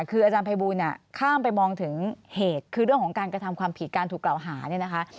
คืออาจารย์ภัยบูลเนี่ยข้ามไปมองถึงเหตุคือเรื่องของการกระทำความผิดการถูกกล่าวหาเนี่ยนะคะ